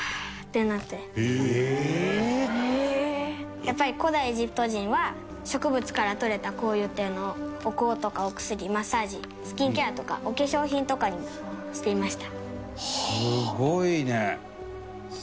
やっぱり、古代エジプト人は植物から採れた香油っていうのをお香とか、お薬、マッサージスキンケアとかお化粧品とかにもしていました。